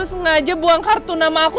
sengaja buang kartu nama aku